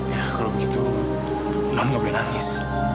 ya kalau begitu non gak boleh nangis